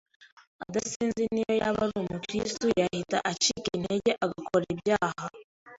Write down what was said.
adasenze n’iyo yaba ari umukristo yahitaga acika intege agakora ibyaha